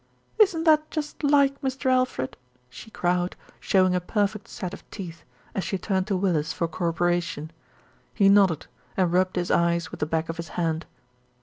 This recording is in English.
"Isn't that just like Mr. Alfred?" she crowed, show ing a perfect set of teeth, as she turned to Willis for corroboration. He nodded, and rubbed his eyes with the back of his hand.